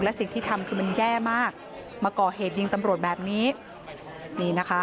และสิ่งที่ทำคือมันแย่มากมาก่อเหตุยิงตำรวจแบบนี้นี่นะคะ